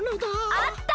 あった！